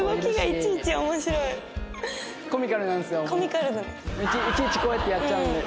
いちいちこうやってやっちゃうんで。